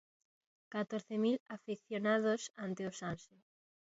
Catorce mil afeccionados ante o Sanse.